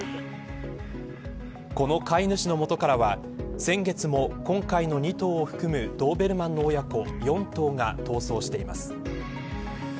この飼い主の元からは先月も、今回の２頭を含むドーベルマンの親子４頭が逃走しています。